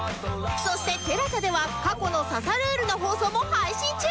そして ＴＥＬＡＳＡ では過去の『刺さルール！』の放送も配信中！